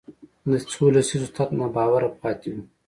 د څو لسیزو تت ناباوره پاتې وو